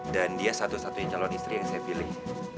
dan dia satu satunya calon istri yang saya pilih